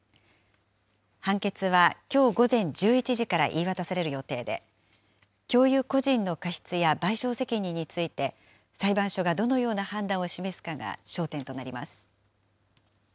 判決はきょう午前１１時から言い渡される予定で、教諭個人の過失や賠償責任について、裁判所がどのような判断を示すかが焦点となります。